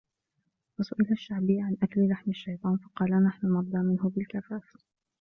وَسُئِلَ الشَّعْبِيُّ عَنْ أَكْلِ لَحْمِ الشَّيْطَانِ فَقَالَ نَحْنُ نَرْضَى مِنْهُ بِالْكَفَافِ